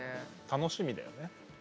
楽しみだよね。